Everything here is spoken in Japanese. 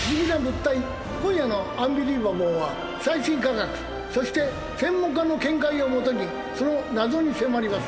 今夜の『アンビリバボー』は最新科学そして専門家の見解を基にその謎に迫ります。